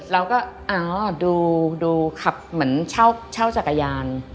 แล้วก็ดูขับเหมือนเช่าจักรยาน